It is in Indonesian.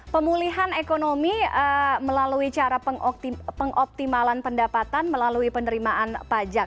pemulihan ekonomi melalui cara pengoptimalan pendapatan melalui penerimaan pajak